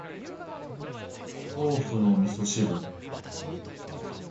お豆腐の味噌汁